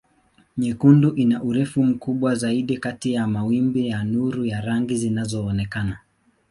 Nyekundu ina urefu mkubwa zaidi kati ya mawimbi ya nuru ya rangi zinazoonekana.